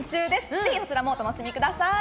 ぜひ、そちらもお楽しみください。